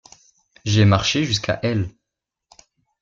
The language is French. J’ai marché jusqu’à elle.